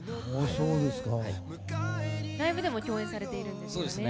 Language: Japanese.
ライブでも共演されていますよね。